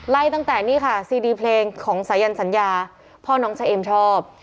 ไล่ตั้งแต่นี่ค่ะซีดีเพลงของสายันสัญญาพ่อน้องชายเอ็มชอบ